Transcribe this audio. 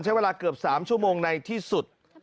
ใช้เวลาเกือบ๓ชั่วโมงในที่สุด